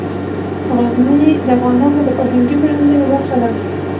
غزني د افغانانو د فرهنګي پیژندنې برخه ده.